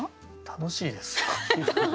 楽しいですよ。